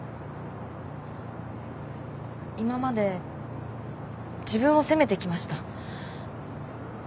今まで自分を責めてきました。